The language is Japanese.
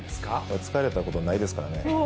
疲れたことないですからね。